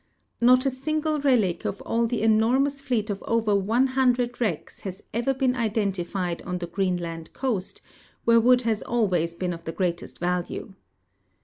Not a single relic of all the enormous fleet of oA'er one hundred Avrecks has ever been identified on the Greenland coast, A\diere AA'ood has ahvays been of the greatest value.